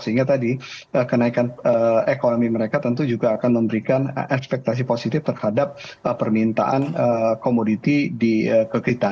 sehingga tadi kenaikan ekonomi mereka tentu juga akan memberikan ekspektasi positif terhadap permintaan komoditi ke kita